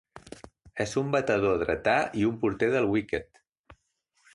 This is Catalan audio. És un batedor dretà i un porter del wicket.